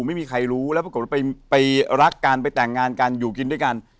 ไม่มีใครรู้แล้วปรากฏว่าไปรักกันไปแต่งงานกันอยู่กินด้วยกัน